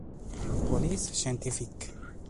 Police scientifique".